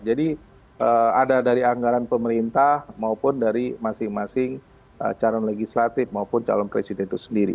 jadi ada dari anggaran pemerintah maupun dari masing masing calon legislatif maupun calon presiden itu sendiri